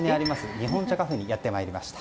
日本茶カフェにやってまいりました。